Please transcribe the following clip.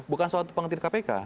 bukan soal dipanggil dengan kpk